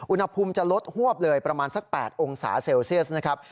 อุณหภูมิจะลดหวบเลยประมาณสัก๘องศาเซลเซียสนะครับ